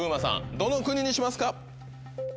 どの国にしますか？